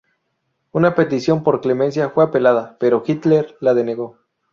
Una petición por clemencia fue apelada pero Hitler la denegó.